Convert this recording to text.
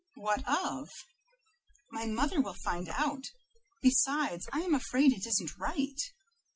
"What of?" "My mother will find out; besides, I am afraid it isn't right."